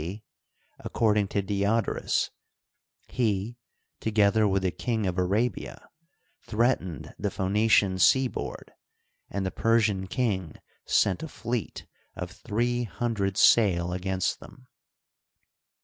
C, according to Diodorus, he, together with the King of Arabia, threatened the Phoe nician seaboard, and the Persian king sent a fleet of three hundred sail against them.